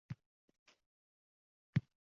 Buning ustiga ayni oʻtish davrida